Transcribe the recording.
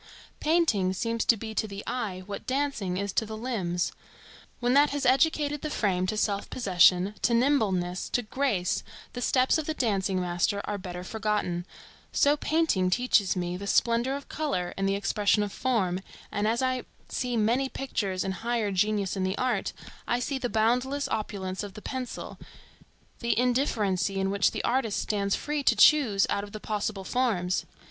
Painting seems to be to the eye what dancing is to the limbs. When that has educated the frame to self possession, to nimbleness, to grace, the steps of the dancing master are better forgotten; so painting teaches me the splendor of color and the expression of form, and as I see many pictures and higher genius in the art, I see the boundless opulence of the pencil, the indifferency in which the artist stands free to choose out of the possible forms.